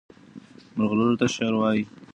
مرغلرو ته شعر وایي.